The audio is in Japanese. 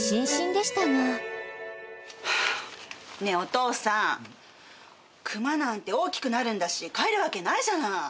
ハァねえお父さん熊なんて大きくなるんだし飼えるわけないじゃない。